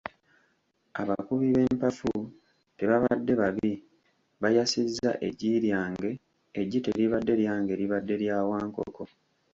Abakubi b'empafu tebabadde babi, bayasizza eggi lyange, eggi teribadde lyange libadde lya Wankoko,